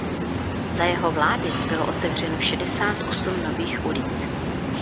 Za jeho vlády bylo otevřeno šedesát osm nových ulic.